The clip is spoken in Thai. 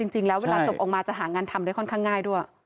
จริงแล้วเวลาจบออกมาจะหางานทำได้ค่อนข้างง่ายด้วย